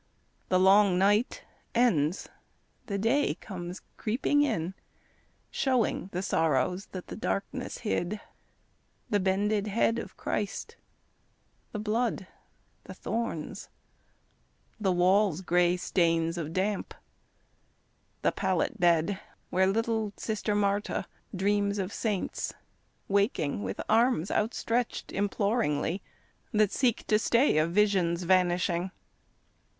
The long night ends, the day comes creeping in, Showing the sorrows that the darkness hid, The bended head of Christ, the blood, the thorns, The wall's gray stains of damp, the pallet bed Where little Sister Marta dreams of saints, Waking with arms outstretched imploringly That seek to stay a vision's vanishing.